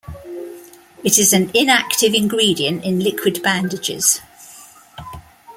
It is an inactive ingredient in Liquid Bandages.